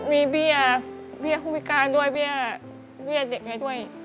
มีเบี้ยคุณพิการด้วยเบี้ยเด็กให้ด้วย